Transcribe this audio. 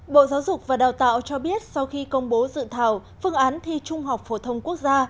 bộ giáo dục và đào tạo cho biết sau khi công bố dự thảo phương án thi trung học phổ thông quốc gia